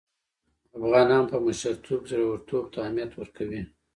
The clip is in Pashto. افغانان په مشرتوب کې زړه ورتوب ته اهميت ورکوي.